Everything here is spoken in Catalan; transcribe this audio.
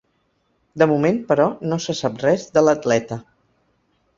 De moment, però, no se sap res de l’atleta.